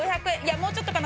もうちょっとかな